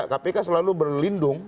kpk selalu berlindung